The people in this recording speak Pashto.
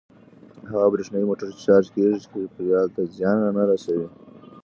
هغه برېښنايي موټر چې چارج کیږي چاپیریال ته زیان نه رسوي.